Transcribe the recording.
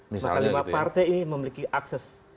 maka lima partai ini memiliki akses